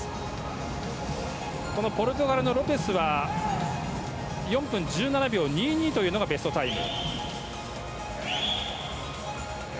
ポルトガルのロペスは４分１７秒２２というのがベストタイム。